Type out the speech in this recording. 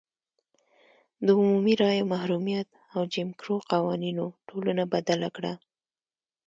د عمومي رایو محرومیت او جیم کرو قوانینو ټولنه بدله کړه.